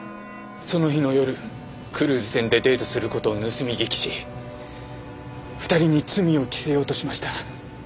その日の夜クルーズ船でデートする事を盗み聞きし２人に罪を着せようとしました。